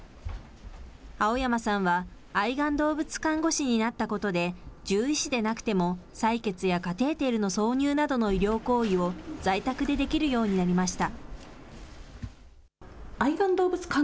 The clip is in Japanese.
青山さんは、愛玩動物看護師になったことで、獣医師でなくても、採血やカテーテルの挿入などの医療行為を、在宅でできるようになりました。